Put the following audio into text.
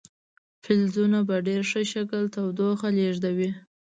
فلزونه په ډیر ښه شکل تودوخه لیږدوي.